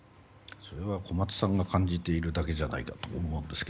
それは小松さんが感じているだけじゃないかと思いますが。